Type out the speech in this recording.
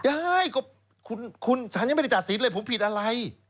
ได้ก็คุณสารยังไม่ได้ตัดสินเลยผมผิดอะไร